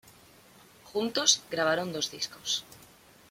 Juntos grabaron dos discos.